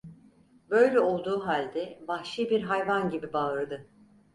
Böyle olduğu halde, vahşi bir hayvan gibi bağırdı.